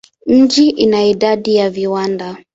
Mji ina idadi ya viwanda.